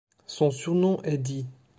Son surnom est Dee.